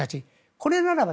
これならば